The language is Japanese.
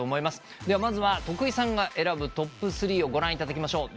ではまずは徳井さんが選ぶトップ３をご覧いただきましょう。